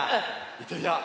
いってみよう。